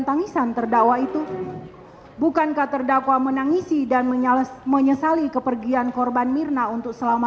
tangisan terdakwa itu bukankah terdakwa menangisi dan menyalas menyesali kepergian korban mirna untuk selama